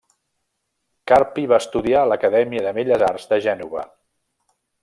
Carpi va estudiar a l'acadèmia de belles arts de Gènova.